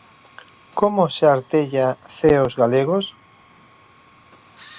Como se artella Ceos Galegos?